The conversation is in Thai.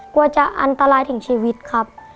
กลัวจะอันตรายถึงชีวิตครับ